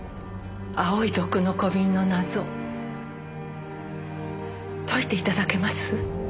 青い毒の小瓶の謎解いていただけます？